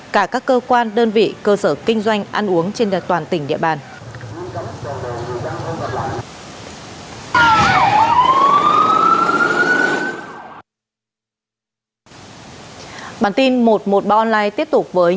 cả các cơ quan đơn vị cơ sở kinh doanh ăn uống trên toàn tỉnh địa bàn